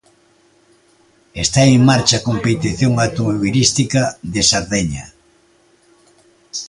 E esta en marcha a competición automobilística de Sardeña.